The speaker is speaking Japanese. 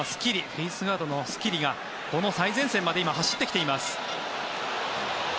フェースガードのスキリが最前線まで走ってきています。